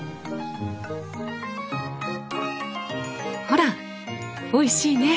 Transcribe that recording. ほらおいしいね！